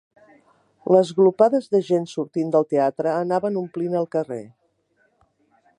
Les glopades de gent sortint del teatre anaven omplint el carrer.